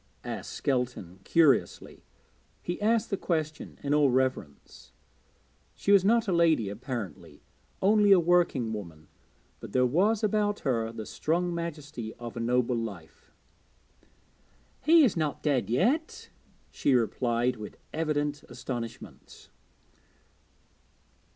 asked Skelton curiously. He asked the question in all reverence; she was not a lady apparently, only a working woman, but there was about her the strong majesty of a noble life. 'He is not dead yet,' she replied with evident astonishment.